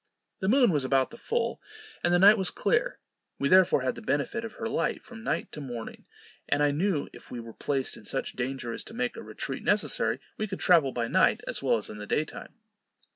The moon was about the full, and the night was clear; we therefore had the benefit of her light from night to morning, and I knew if we were placed in such danger as to make a retreat necessary, we could travel by night as well as in the day time.